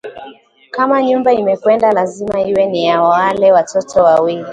Kama nyumba imekwenda, lazima iwe ni ya wale watoto wawili